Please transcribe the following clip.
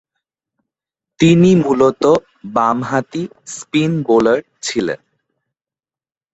তিনি মূলতঃ বামহাতি স্পিন বোলার ছিলেন।